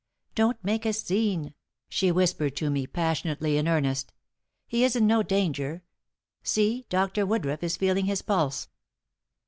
"Don't make a scene!" she whispered to me, passionately in earnest. "He is in no danger. See, Dr. Woodruff is feeling his pulse."